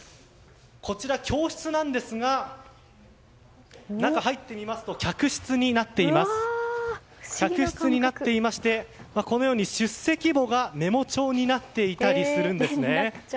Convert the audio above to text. こちら、教室なんですが中に入ってみますと客室になっていましてこのように出席簿がメモ帳になっていたりするんですね。